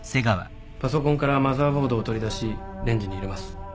パソコンからマザーボードを取り出しレンジに入れます